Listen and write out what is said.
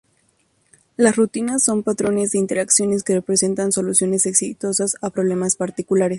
Las rutinas son patrones de interacciones que representan soluciones exitosas a problemas particulares.